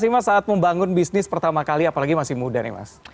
sih mas saat membangun bisnis pertama kali apalagi masih muda nih mas